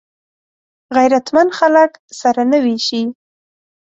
غیرتمند خلک سره نه وېشي